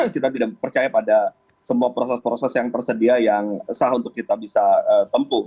kita tidak percaya pada semua proses proses yang tersedia yang sah untuk kita bisa tempuh